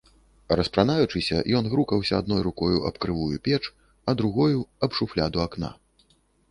Распранаючыся, ён грукаўся адною рукою аб крывую печ, а другою аб шуфляду акна.